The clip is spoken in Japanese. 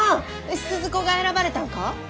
鈴子が選ばれたんか！？